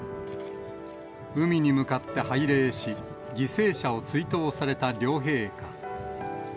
海に向かって拝礼し、犠牲者を追悼された両陛下。